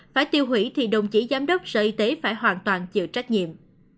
phải tiêu hủy thì đồng chí giám đốc sở y tế phải hoàn toàn chịu trách nhiệm